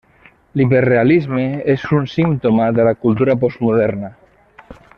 L'hiperrealisme és un símptoma de la cultura postmoderna.